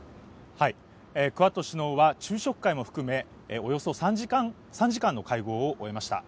クアッド首脳は昼食会も含め、およそ３時間の会合を終えました。